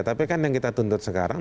tapi kan yang kita tuntut sekarang